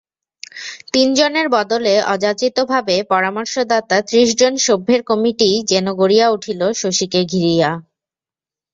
তিনজনের বদলে অযাচিতভাবে পরামর্শদাতা ত্রিশজন সভ্যের কমিটিই যেন গড়িয়া উঠিল শশীকে ঘিরিয়া।